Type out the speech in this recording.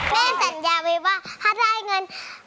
พี่แม่แสนว่าว่าว่าถ้าได้เงิน